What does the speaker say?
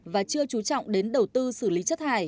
và chưa chú trọng đến đầu tư xử lý